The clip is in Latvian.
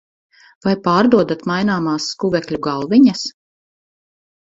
Vai pārdodat maināmās skuvekļu galviņas?